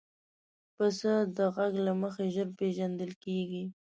پسه د غږ له مخې ژر پېژندل کېږي.